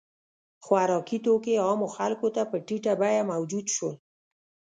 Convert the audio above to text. • خوراکي توکي عامو خلکو ته په ټیټه بیه موجود شول.